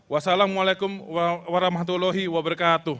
wassalamu'alaikum warahmatullahi wabarakatuh